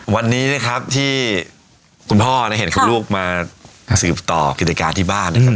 วันนี้นะครับที่คุณพ่อเห็นคุณลูกมาสืบต่อกิจการที่บ้านนะครับ